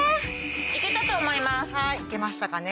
いけましたかね。